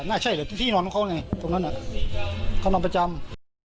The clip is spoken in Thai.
น่าจะใช่แหละที่นอนของเขาไงตรงนั้นเขานอนประจำ